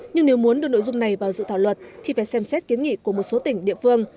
nhưng nếu muốn đưa nội dung này vào dự thảo luật thì phải xem xét kiến nghị của một số tỉnh địa phương